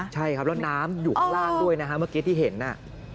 ใช่ครับแล้วน้ำอยู่ข้างล่างด้วยนะฮะเมื่อกี้ที่เห็นน่ะ